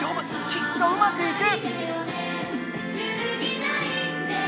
きっとうまくいく！